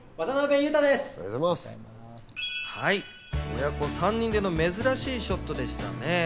親子３人での珍しいショットでしたね。